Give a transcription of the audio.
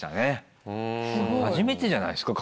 初めてじゃないっすか？